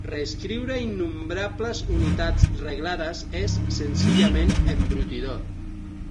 Reescriure innombrables unitats reglades és senzillament embrutidor.